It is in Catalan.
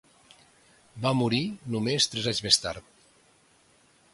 Va morir només tres anys més tard.